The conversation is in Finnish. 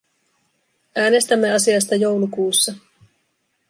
Äänestämme asiasta joulukuussa.